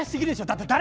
だって誰？